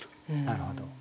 なるほど。